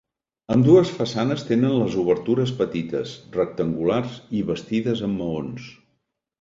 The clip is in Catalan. Ambdues façanes tenen les obertures petites, rectangulars i bastides amb maons.